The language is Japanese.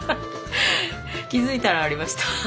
気付いたらありました。